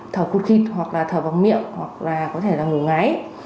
thở khụt khịt hoặc là thở vòng miệng hoặc là có thể là ngủ ngáy